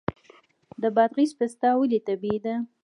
د بادغیس پسته ولې طبیعي ده؟